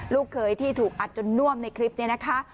ลูกเคยที่ถูกอัดจนน่วมในคลิปนี้นะคะ